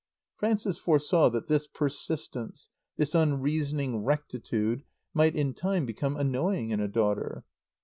Frances foresaw that this persistence, this unreasoning rectitude, might, in time, become annoying in a daughter.